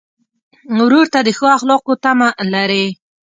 ورور ته د ښو اخلاقو تمه لرې.